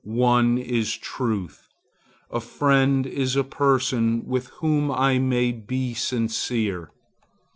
One is truth. A friend is a person with whom I may be sincere.